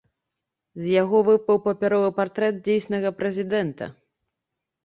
З яго выпаў папяровы партрэт дзейснага прэзідэнта.